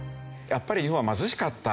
やっぱり日本は貧しかった。